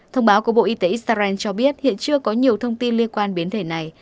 thông báo của bộ y tế israel cho biết hiện chưa có nhiều thông tin liên quan biến thể này